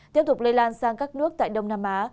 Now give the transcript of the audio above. tiếp tục lây lan sang các nước tại đông nam á